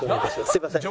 すみません。